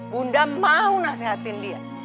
bunda mau nasehatin dia